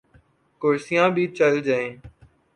کرسیاں بھی چل جائیں۔